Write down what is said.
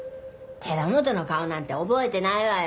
寺本の顔なんて覚えてないわよ。